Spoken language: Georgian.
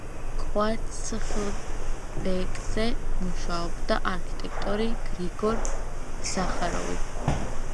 კვარცხლბეკზე მუშაობდა არქიტექტორი გრიგორ ზახაროვი.